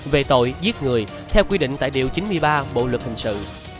về tội giết người theo quyết định tài liệu chín mươi ba bộ luật hình sự